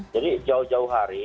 jadi jauh jauh hari